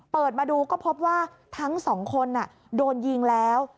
เปิดมาดูก็พบว่าทั้งสองคนโดนยิงแล้ว